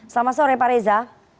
selamat sore pak reza